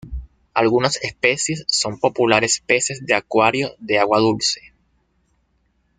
Algunas especies son populares peces de acuario de agua dulce.